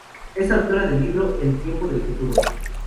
Es autora del libro, "El Tiempo del Futuro.